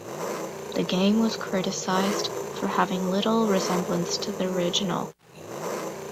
The game was criticized for having little resemblance to the original.